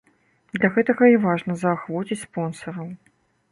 Для гэтага і важна заахвоціць спонсараў.